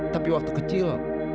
tapi waktu kecil